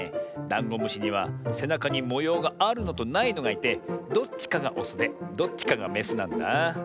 ダンゴムシにはせなかにもようがあるのとないのがいてどっちかがオスでどっちかがメスなんだ。